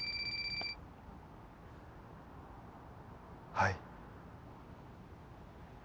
はい。